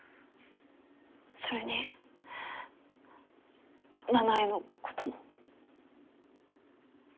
それに奈々江の事も。